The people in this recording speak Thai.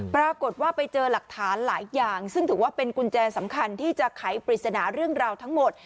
ปรากฏว่าไปเจอหลักฐานหลายอย่างซึ่งถือว่าเป็นกุญแจสำคัญที่จะไขปริศนาเรื่องราวทั้งหมด